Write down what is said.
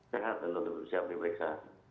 sehat untuk siap diperiksa